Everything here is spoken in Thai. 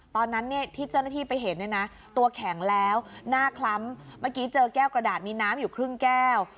ตอนนั้นที่เจ้าหน้าที่ไปเห็นน่ะตัวแข็งแล้วหน้าคล้ำเก้ากระดาษมีน้ำอยู่ครึ่งแก้ว